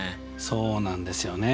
そうなんですよね。